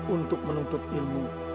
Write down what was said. untuk menuntut ilmu